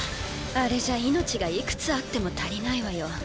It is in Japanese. あれじゃ命がいくつあっても足りないわよ